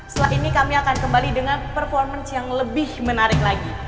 setelah ini kami akan kembali dengan performance yang lebih menarik lagi